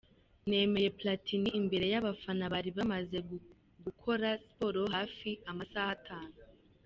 Nemeye Platini imbere y'abafana bari bamaze gukora siporo hafi amasaha atanu.